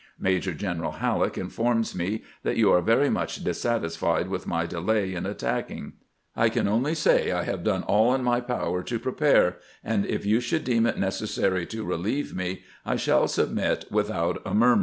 Major general HaUeck informs me that you are very much dissatisfied with my delay in attack ing. I can only say I have done all in my power to pre pare, and i£ you should deem it necessary to relieve me I shall submit without a murmur."